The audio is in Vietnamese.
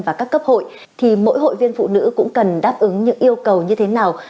và các cấp hội thì mỗi hội viên phụ nữ cũng cần đáp ứng những yêu cầu như thế nào